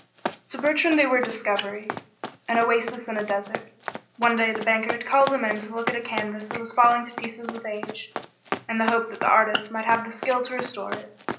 To Bertrand they were a discovery an oasis in a desert. One day the banker had called him in to look at a canvas that was falling to pieces with age, in the hope that the artist might have the skill to restore it.